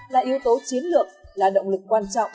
là yếu tố chiến lược là động lực quan trọng